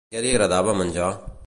Què li agradava menjar?